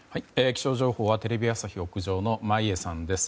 気象情報はテレビ朝日屋上の眞家さんです。